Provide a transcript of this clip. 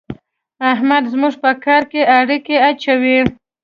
احمد زموږ په کار کې اړېکی اچوي.